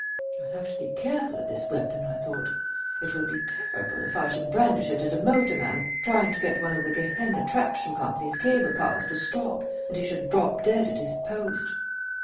"I'll have to be careful of this weapon," I thought. "It would be terrible if I should brandish it at a motor man trying to get one of the Gehenna Traction Company's cable cars to stop and he should drop dead at his post."